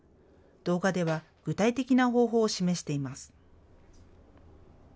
動画では具体的な方法を示しています。